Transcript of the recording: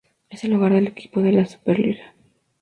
Es el hogar del equipo de la Super League.